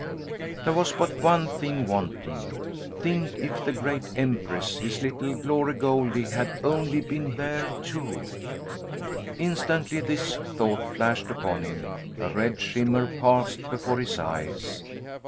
There was but one thing wanting. Think, if the great Empress, his little Glory Goldie, had only been there, too! Instantly this thought flashed upon him, a red shimmer passed before his eyes.